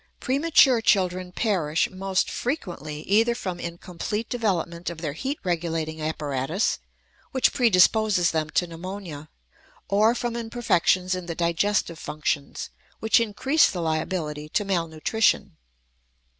Premature children perish, most frequently, either from incomplete development of their heat regulating apparatus, which predisposes them to pneumonia, or from imperfections in the digestive functions, which increase the liability to malnutrition.